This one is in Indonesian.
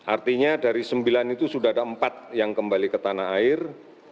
artinya dari sembilan itu sudah ada empat yang kembali ke tanah air